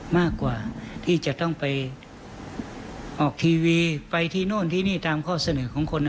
มากกว่าที่จะต้องไปออกทีวีไปที่โน่นที่นี่ตามข้อเสนอของคน